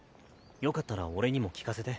よかったら俺にも聴かせて。